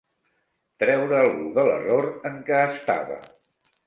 Treure algú de l'error en què estava.